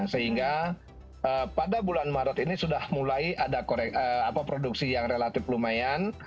sehingga pada bulan maret ini sudah mulai ada produksi yang relatif lumayan